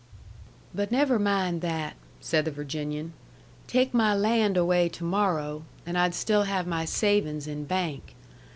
"But never mind that," said the Virginian. "Take my land away to morrow, and I'd still have my savings in bank.